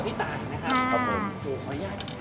พี่โตกับพี่ตายนะครับขออนุญาต